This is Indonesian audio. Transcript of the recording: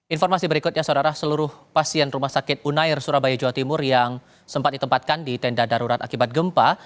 informasi berikutnya saudara seluruh pasien rumah sakit unair surabaya jawa timur yang sempat ditempatkan di tenda darurat akibat gempa